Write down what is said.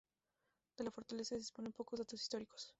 De la fortaleza se disponen de pocos datos históricos.